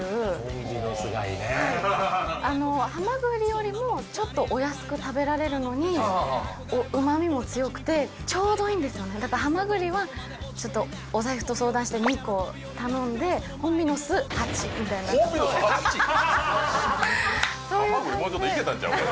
はいあのハマグリよりもちょっとお安く食べられるのに旨みも強くてちょうどいいんですよねだからハマグリはちょっとお財布と相談して２個頼んでホンビノス８みたいなホンビノス８！？んちゃうか？